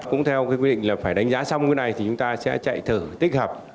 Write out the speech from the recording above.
cũng theo quy định là phải đánh giá xong cái này thì chúng ta sẽ chạy thử tích hợp